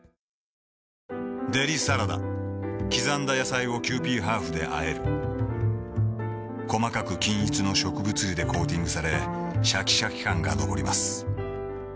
デリサラダ刻んだ野菜をキユーピーハーフであえる細かく均一の植物油でコーティングされシャキシャキ感が残ります